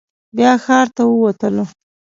بیا ښار ته ووتلو.